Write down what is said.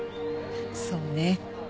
そうね。